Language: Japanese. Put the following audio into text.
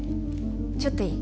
ちょっといい？